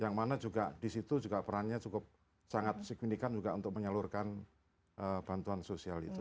yang mana juga di situ juga perannya cukup sangat signifikan juga untuk menyalurkan bantuan sosial itu